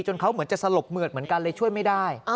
เขาเหมือนจะสลบเหมือดเหมือนกันเลยช่วยไม่ได้